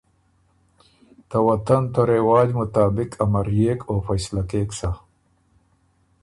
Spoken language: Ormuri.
ته وطن ته رواج مطابق امريېک او فیصله کېک سۀ۔